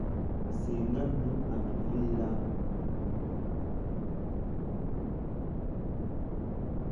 Singa nno atuviira.